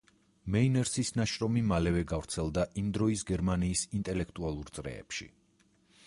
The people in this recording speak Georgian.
მეინერსის ნაშრომი მალევე გავრცელდა იმ დროის გერმანიის ინტელექტუალურ წრეებში.